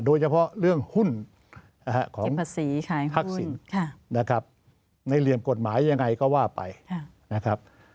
โดยเฉพาะเรื่องหุ้นของภาคศิลป์นะครับในเหลี่ยมกฎหมายยังไงก็ว่าไปนะครับ